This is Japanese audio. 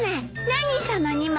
何その荷物。